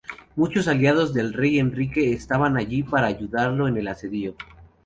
Muchos aliados del rey Enrique estaban allí para ayudarlo en el asedio.